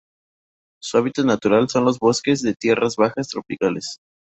Su hábitat natural son los bosques de tierras bajas tropicales.